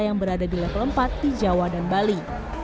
yang berada di level empat di jawa dan bali